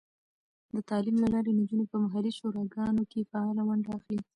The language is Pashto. د تعلیم له لارې، نجونې په محلي شوراګانو کې فعاله ونډه اخلي.